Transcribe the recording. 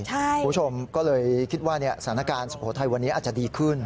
คุณผู้ชมก็เลยคิดว่าสถานการณ์สุโขทัยวันนี้อาจจะดีขึ้น